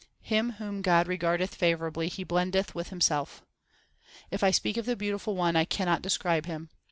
Him whom God regardeth favourably He blendeth with Himself. If I speak of the beautiful One, I cannot describe Him.